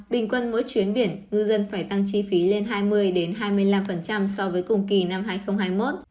bình quân mỗi chuyến biển ngư dân phải tăng chi phí lên hai mươi hai mươi năm so với cùng kỳ năm hai nghìn hai mươi một